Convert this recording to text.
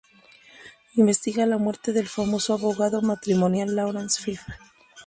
Investiga la muerte del famoso abogado matrimonial Laurence Fife.